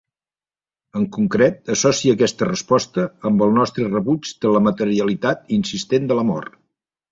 En concret, associa aquesta resposta amb el nostre rebuig de la materialitat insistent de la mort.